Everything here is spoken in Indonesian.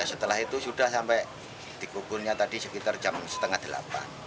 setelah itu sudah sampai dikukurnya sekitar jam setengah delapan